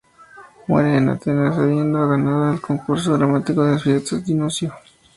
Muere en Atenas, habiendo ganado el concurso dramático en las fiestas de Dioniso.